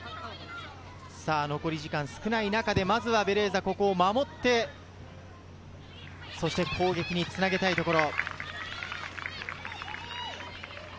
残り時間が少ない中で、まずはベレーザ、ここを守って、攻撃につなげたいところ。